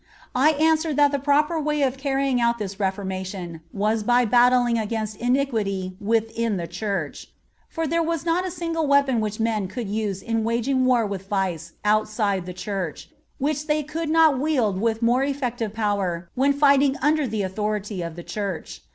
I answer that the proper way of carrying out this reformation was by battling against iniquity within the Church; for there was not a single weapon which men could use in waging war with vice outside the Church, which they could not wield with more effective power when fighting under the authority of the Church.